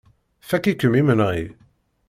Fakk-ikem imenɣi.